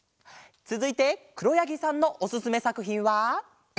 つづいてくろやぎさんのおすすめさくひんは。